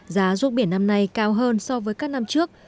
giá ruốc biển năm nay cao hơn so với các năm trước